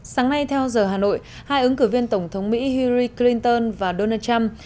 sáng nay theo giờ hà nội hai ứng cử viên tổng thống mỹ hiri clinton và donald trump